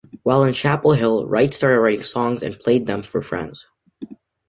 While in Chapel Hill, Wright started writing songs and played them for friends.